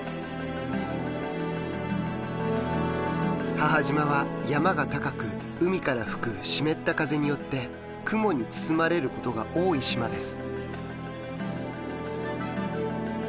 母島は山が高く海から吹く湿った風によって雲に包まれることが多い島です。